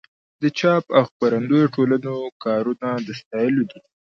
د چاپ او خپرندویه ټولنو کارونه د ستایلو دي.